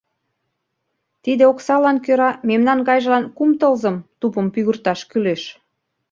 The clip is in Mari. — Тиде оксалан кӧра мемнан гайжылан кум тылзым тупым пӱгырташ кӱлеш.